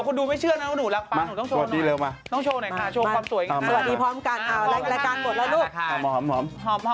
คุณดูไม่เชื่อนะว่าขนาดนี้หนูรักป๊าหนูต้องโชว์หน่อย